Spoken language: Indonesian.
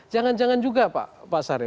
jangan jangan juga pak sari